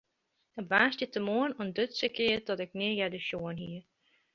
Op dy woansdeitemoarn ûntduts ik eat dat ik nea earder sjoen hie.